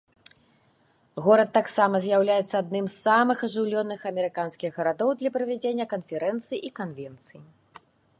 Горад таксама з'яўляецца адным з самых ажыўленых амерыканскіх гарадоў для правядзення канферэнцый і канвенцый.